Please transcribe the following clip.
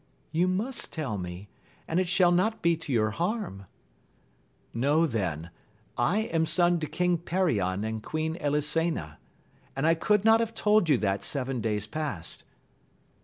— ^You must tell me, and it shall not be to your harm. — Know then, I am son to King Perion and Queen Elisena, and I could not have told you that seven days past.